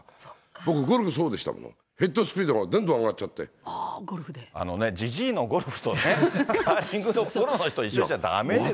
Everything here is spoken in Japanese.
僕ゴルフそうでしたもん、ヘッドスピードがどんどん上がっちゃっあのね、じじいのゴルフとカーリングのプロの人と一緒にしちゃだめですよ。